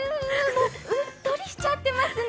うっとりしちゃってますね。